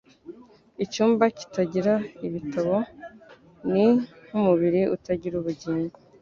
Icyumba kitagira ibitabo ni nkumubiri utagira ubugingo.